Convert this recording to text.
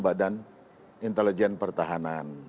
badan intelijen pertahanan